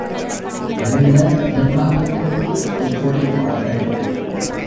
நல்ல நிர்வாகத்துக்கு ஒத்துழைப்பார்கள்.